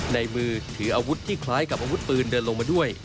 ในมือถืออาวุธที่คล้ายกับอาวุธปืนเดินลงมาด้วย